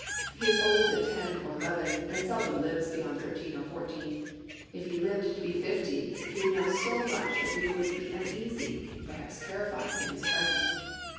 He is old at ten or eleven, and seldom lives beyond thirteen or fourteen. If he lived to be fifty, he would know so much that we should be uneasy, perhaps terrified, in his presence.